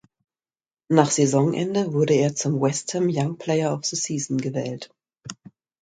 Nach Saisonende wurde er zum West Ham Young Player of the Season gewählt.